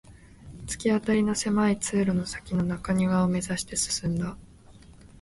突き当たりの狭い通路の先の中庭を目指して進んだ